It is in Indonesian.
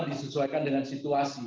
disesuaikan dengan situasi